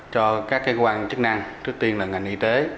cho các cơ quan chức năng trước tiên là ngành y tế